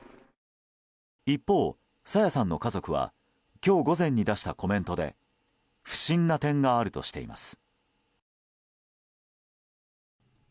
一方、朝芽さんの家族は今日午前に出したコメントで不審な点があるとしています。